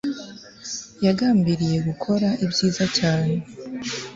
yagambiriye gukora ibyiza cyane